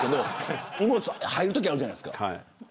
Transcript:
入っていくときあるじゃないですか。